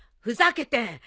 ふざけて。